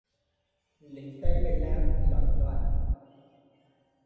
Lính Tây về làng, loạn loạn